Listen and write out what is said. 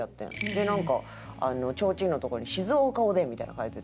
でなんか提灯のとこに「静岡おでん」みたいなの書いてて。